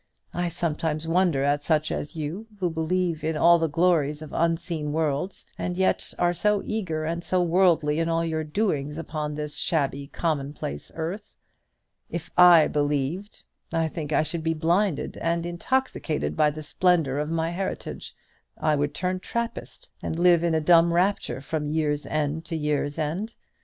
I sometimes wonder at such as you, who believe in all the glories of unseen worlds, and yet are so eager and so worldly in all your doings upon this shabby commonplace earth. If I believed, I think I should be blinded and intoxicated by the splendour of my heritage; I would turn Trappist, and live in a dumb rapture from year's end to year's end.